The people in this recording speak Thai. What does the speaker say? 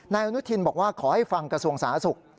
อนุทินบอกว่าขอให้ฟังกระทรวงสาธารณสุข